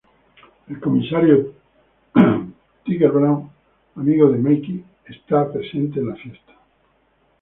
El comisario Tiger-Brown, amigo de Mackie, está presente en la fiesta.